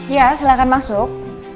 ya silahkan masuk